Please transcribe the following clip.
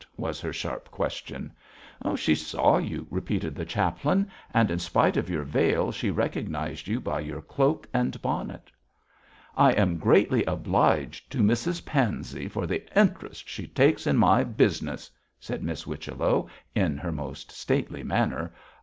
was her sharp question. 'She saw you,' repeated the chaplain; 'and in spite of your veil she recognised you by your cloak and bonnet.' 'I am greatly obliged to Mrs Pansey for the interest she takes in my business,' said Miss Whichello, in her most stately manner.